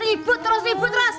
ribut terus ribut terus